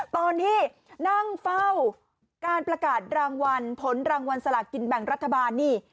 ตอนที่นั่งเฝ้าการประกาศรางวัลผลรางวัลสลากินแบ่งรัฐบาลนี่